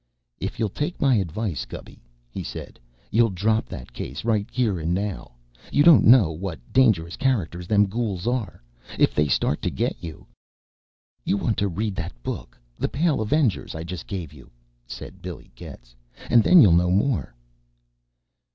"If you'll take my advice, Gubby," he said, "you'll drop that case right here an' now. You don't know what dangerous characters them gools are. If they start to get you " "You want to read that book 'The Pale Avengers' I just gave you," said Billy Getz, "and then you'll know more."